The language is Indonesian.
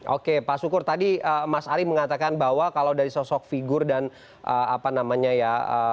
oke pak sukur tadi mas ari mengatakan bahwa kalau dari sosok figur dan apa namanya ya